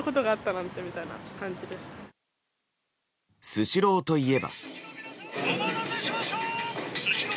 スシローといえば。